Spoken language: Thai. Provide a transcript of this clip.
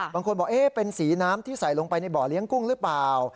บางคนบอกเป็นสีน้ำที่ใส่ลงไปในบ่อเลี้ยงกุ้งหรือเปล่า